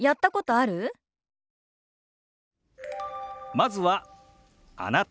まずは「あなた」。